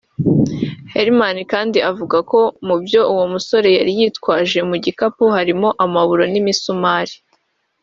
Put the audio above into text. Herrmann kandi avuga ko mu byo uwo musore yari yitwaje mu gikapu harimo amaburo n’imisumari